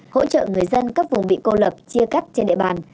hỗ trợ người dân các vùng bị cô lập chia cắt trên địa bàn